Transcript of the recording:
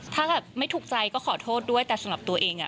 ถ้าแบบไม่ถูกใจก็ขอโทษด้วยแต่สำหรับตัวเอง